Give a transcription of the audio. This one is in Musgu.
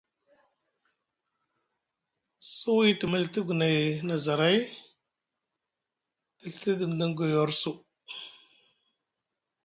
Suwi te militi guinay na zaray te Ɵiti edi midini goyar su.